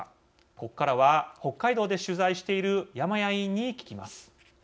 ここからは北海道で取材している山屋委員に聞きます。